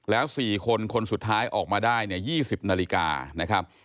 แล้ว๔คนคนสุดท้ายออกมาได้เนี่ย๒๐นาฬิกานะครับ